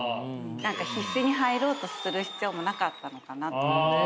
何か必死に入ろうとする必要もなかったのかなと。